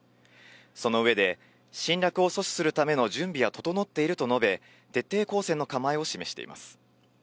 その上で、侵略を阻止するための準備は整っていると述べ、徹底抗戦の構えを示しています。